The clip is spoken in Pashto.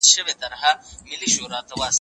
زه له سهاره د سبا لپاره د هنرونو تمرين کوم،